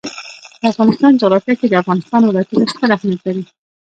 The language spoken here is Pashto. د افغانستان جغرافیه کې د افغانستان ولايتونه ستر اهمیت لري.